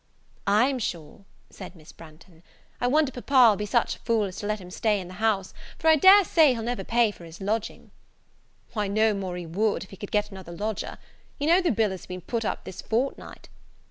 "I'm sure," said Miss Branghton, "I wonder Papa'll be such a fool as to let him stay in the house, for I dare say he'll never pay for his lodging." "Why, no more he would, if he could get another lodger. You know the bill has been put up this fortnight.